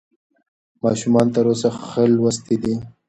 ماشومان تر اوسه ښه لوستي دي.